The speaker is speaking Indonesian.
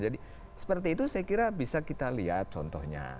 jadi seperti itu saya kira bisa kita lihat contohnya